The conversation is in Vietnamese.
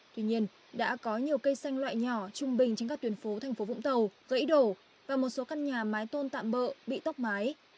tuy nhiên đã có nhiều cây xanh loại nhỏ trung bình trên các tuyến phố thành phố vũng tàu gãy đổ và một số căn nhà mái tôn tạm bỡ bị tốc mái